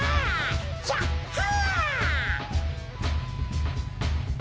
ヒャッハ！